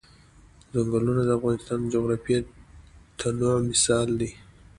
ځنګلونه د افغانستان د جغرافیوي تنوع مثال دی.